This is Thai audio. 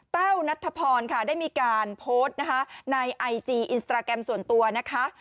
นัทธพรค่ะได้มีการโพสต์นะคะในไอจีอินสตราแกรมส่วนตัวนะคะ